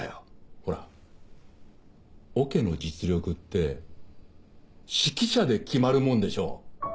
ほらオケの実力って指揮者で決まるもんでしょ。